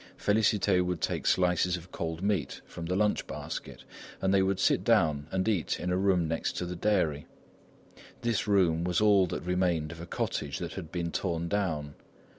Félicité would take slices of cold meat from the lunch basket and they would sit down and eat in a room next to the dairy. This room was all that remained of a cottage that had been torn down.